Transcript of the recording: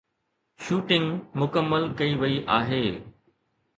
shooting مڪمل ڪئي وئي آهي